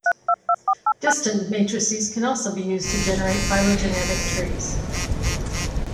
Distance matrices can also be used to generate phylogenetic trees.